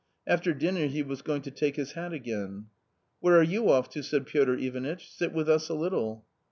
After dinner he was going to take his hat again. " Where are you off to ?" said Piotr Ivanitch, " sit with us a little.